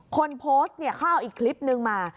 คนโพสต์เนี่ยเขาเอาอีกคลิปนึงมา